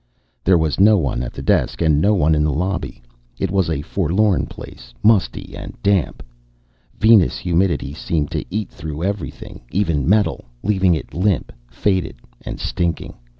There was no one at the desk and no one in the lobby. It was a forlorn place, musty and damp. Venus humidity seemed to eat through everything, even metal, leaving it limp, faded, and stinking.